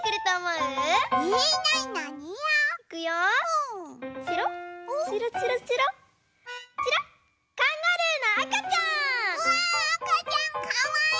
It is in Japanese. うわあかちゃんかわいい！